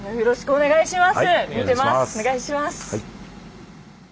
お願いします。